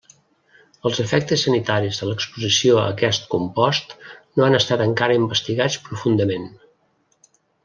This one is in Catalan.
Els efectes sanitaris de l'exposició a aquest compost no han estat encara investigats profundament.